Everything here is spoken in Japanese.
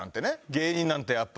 芸人なんてやっぱ。